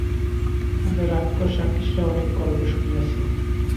আমরা রাক্ষস-রাক্ষসীর অনেক গল্প শুনিয়াছি।